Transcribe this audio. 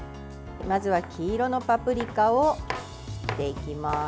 まずは黄色のパプリカを切っていきます。